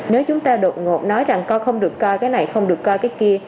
nếu chúng ta đột ngột nói rằng con không được coi cái này không được coi cái kia